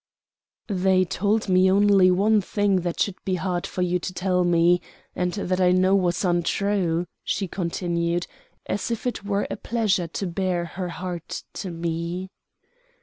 "They told me only one thing that should be hard for you to tell me and that I know was untrue," she continued, as if it were a pleasure to bare her heart to me.